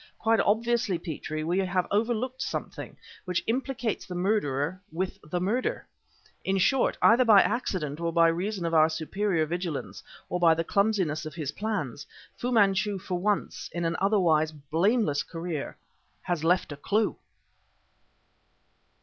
Quite obviously, Petrie, we have overlooked something which implicates the murderer with the murder! In short, either by accident, by reason of our superior vigilance, or by the clumsiness of his plans, Fu Manchu for once in an otherwise blameless career, has left a clue!"